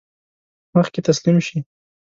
مخکې تسلیم شي.